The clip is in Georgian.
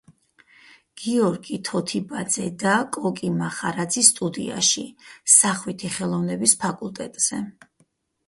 გიორგი თოთიბაძე და კოკი მახარაძის სტუდიაში, სახვითი ხელოვნების ფაკულტეტზე.